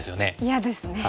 嫌ですね。